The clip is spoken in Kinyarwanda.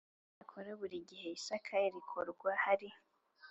Icyakora buri gihe isaka rikorwa hari